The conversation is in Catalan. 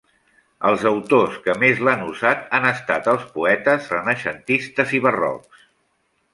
Els autors que més l'han usat han estat els poetes renaixentistes i barrocs.